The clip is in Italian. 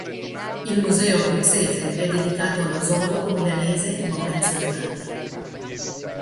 Il museo abruzzese è dedicato allo zoologo milanese Maurizio Locati.